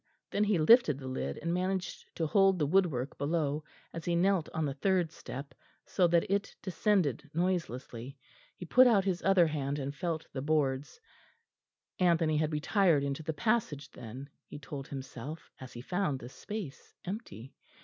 Then he lifted the lid, and managed to hold the woodwork below, as he knelt on the third step, so that it descended noiselessly. He put out his other hand and felt the boards. Anthony had retired into the passage then, he told himself, as he found the space empty.